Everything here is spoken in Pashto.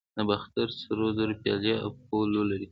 د باختر سرو زرو پیالې اپولو لري